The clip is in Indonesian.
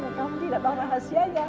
kami tidak tahu rahasianya